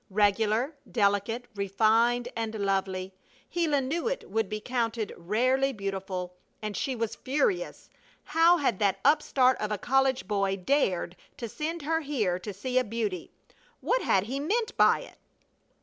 Regular, delicate, refined, and lovely! Gila knew it would be counted rarely beautiful, and she was furious! How had that upstart of a college boy dared to send her here to see a beauty! What had he meant by it?